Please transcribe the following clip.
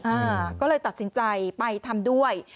อ่าก็เลยตัดสินใจไปทำด้วย